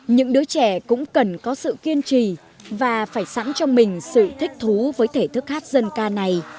những đứa trẻ cũng cần có sự kiên trì và phải sẵn cho mình sự thích thú với thể thức hát dân ca này